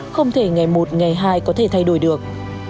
không thể ngày một ngày hai có thể thay đổi được